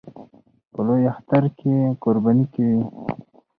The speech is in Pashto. په لوی اختر کې قرباني کوي